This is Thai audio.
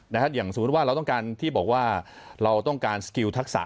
อย่างสมมุติว่าเราต้องการที่บอกว่าเราต้องการสกิลทักษะ